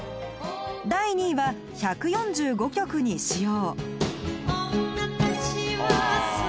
第２位は１４５曲に使用